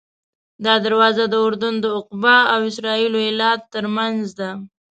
دا دروازه د اردن د عقبه او اسرائیلو ایلات ترمنځ ده.